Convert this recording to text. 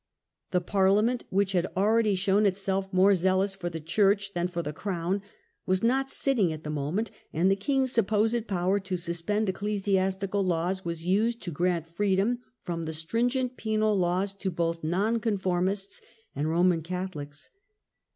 The Parliament, which had already shown Thcindui itself more zealous for the church than for the Kence. crown, was not sitting at the moment; and the king's supposed power to suspend ecclesiastical laws was used to grant freedom from the stringent penal laws to both Nonconformists and Roman Catholics.